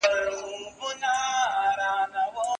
خدایه څه د رنګ دنیا ده له جهانه یمه ستړی